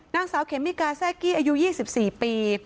นางสาวเขมิกาแทรกกี้อายุ๒๔ปี